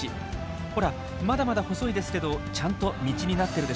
ほらまだまだ細いですけどちゃんと道になってるでしょ？